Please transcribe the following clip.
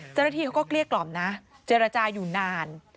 เจ้าหน้าที่เขาก็เกลี้ยกล่อมนะเจรจาอยู่นาน